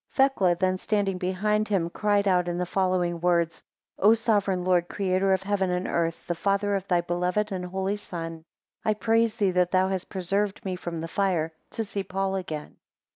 8 Thecla then standing behind him, cried out in the following words: O sovereign Lord Creator of heaven and earth, the Father of thy beloved and holy Son, I praise thee that thou hast preserved me from the fire, to see Paul again.